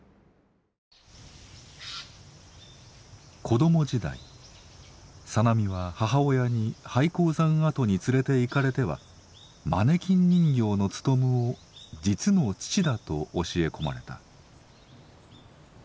子供時代小波は母親に廃鉱山跡に連れていかれてはマネキン人形のツトムを実の父だと教え込まれた。